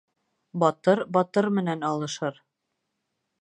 Батыр батыр менән алышыр.